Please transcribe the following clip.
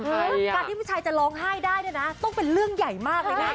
การที่ผู้ชายจะร้องไห้ได้เนี่ยนะต้องเป็นเรื่องใหญ่มากเลยนะ